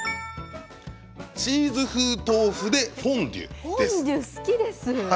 チーズ風豆腐でフォンデュです。